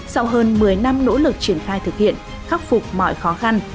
sau hơn một mươi năm nỗ lực triển khai thực hiện khắc phục mọi khó khăn